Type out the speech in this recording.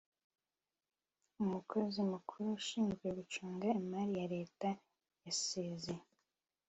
umukozimukuru ushinzwe gucunga imari yaleta yasezeye